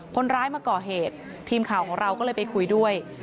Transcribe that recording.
คนร้ายมาก่อเหตุทีมข่าวของเราก็เลยไปคุยด้วย